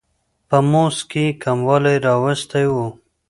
په مزد کې یې کموالی راوستی و.